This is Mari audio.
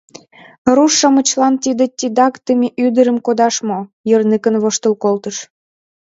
— Руш-шамычлан тиде титакдыме ӱдырым кодаш мо?! — йырныкын воштыл колтыш.